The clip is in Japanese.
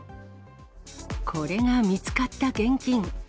これが見つかった現金。